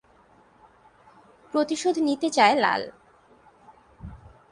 প্রতিশোধ নিতে চায় লাল।